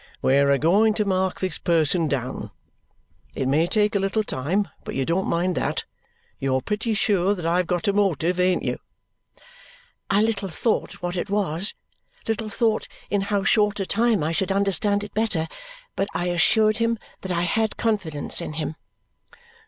"We're a going to mark this person down. It may take a little time, but you don't mind that. You're pretty sure that I've got a motive. Ain't you?" I little thought what it was, little thought in how short a time I should understand it better, but I assured him that I had confidence in him.